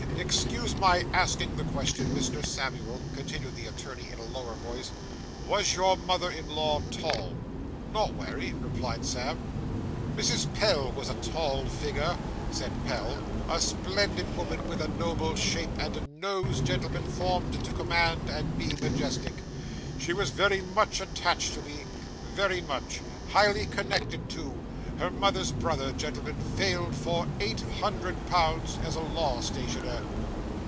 Excuse my asking the question, Mr. Samuel,' continued the attorney in a lower voice, 'was your mother in law tall?' 'Not wery,' replied Sam. 'Mrs. Pell was a tall figure,' said Pell, 'a splendid woman, with a noble shape, and a nose, gentlemen, formed to command and be majestic. She was very much attached to me very much highly connected, too. Her mother's brother, gentlemen, failed for eight hundred pounds, as a law stationer.